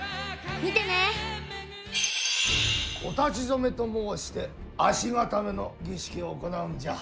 見てね！お立ち初めと申して足固めの儀式を行うんじゃ。